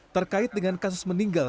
terkait dengan kasus meninggal